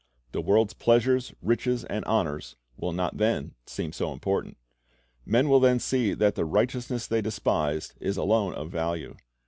The world's pleasures, riches, and honors will not then seem so important. Men will then see that the righteousness they despised is alone of value.